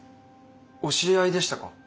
お知り合いでしたか。